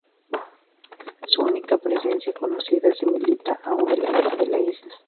Su única presencia conocida se limita a una cueva de la isla.